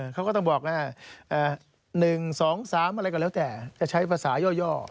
เขาก็ต้องบอกว่า๑๒๓อะไรก็แล้วแต่จะใช้ภาษาย่อ